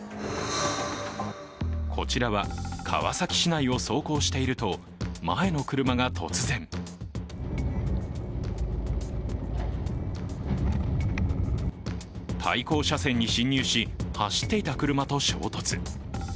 こちらは川崎市内を走行していると、前の車が突然対向車線に進入し、走っていた車と衝突。